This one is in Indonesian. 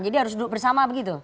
jadi harus duduk bersama begitu